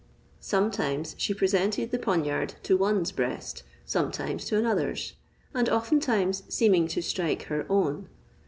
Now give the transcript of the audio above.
Sometimes she presented the poniard to one's breast, sometimes to another's, and oftentimes seeming to strike her own.